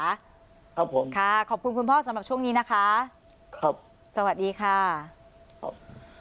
ครับผมค่ะขอบคุณคุณพ่อสำหรับช่วงนี้นะคะครับสวัสดีค่ะครับ